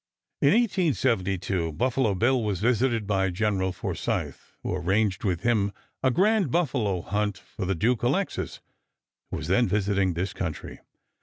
In 1872 Buffalo Bill was visited by General Forsyth, who arranged with him a grand buffalo hunt for the Duke Alexis, who was then visiting this country.